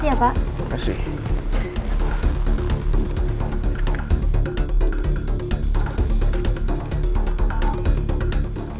terima kasih ya pak